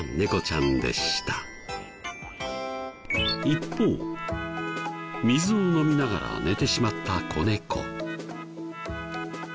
一方水を飲みながら寝てしまった子猫。